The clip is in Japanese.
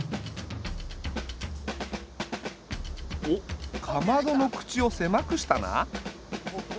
おっかまどの口を狭くしたな。